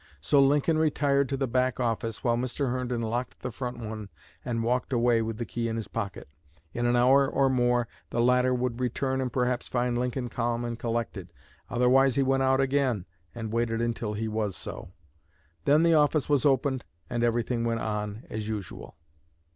So Lincoln retired to the back office while Mr. Herndon locked the front one and walked away with the key in his pocket. In an hour or more the latter would return and perhaps find Lincoln calm and collected. Otherwise he went out again and waited until he was so. Then the office was opened and everything went on as usual.